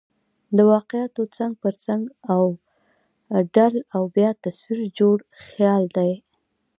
د واقعاتو څنګ پر څنګ اوډل او بیا تصویر جوړل خیال دئ.